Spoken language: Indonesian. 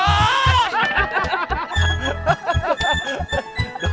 ya sayang yuk